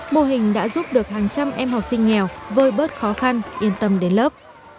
mô hình đã giúp được hàng trăm em học sinh nghèo vơi bớt khó khăn yên tâm đến lớp